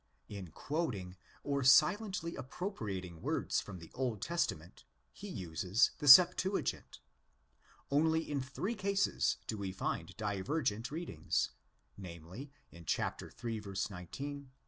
In quoting or silently appropriating words from the Old Testa ment, he uses the Septuagint. Only in three cases do we find divergent readings—namely, in 111. 19, xiv.